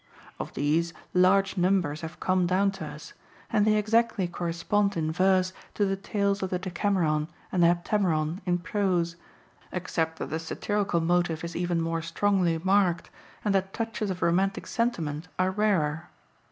Of these, large numbers have come down to us, and they exactly correspond in verse to the tales of the Decameron and the Heptameron in prose, except that the satirical motive is even more strongly marked, and that touches of romantic sentiment are rarer.